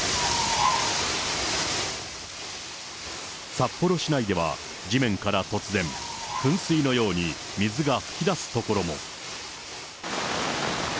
札幌市内では、地面から突然、噴水のように水が噴き出す所も。